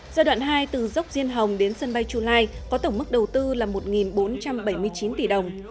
giai đoạn hai từ dốc diên hồng đến sân bay chu lai có tổng mức đầu tư là một bốn trăm bảy mươi chín tỷ đồng